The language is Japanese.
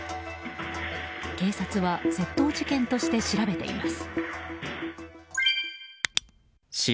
警察は窃盗事件として調べています。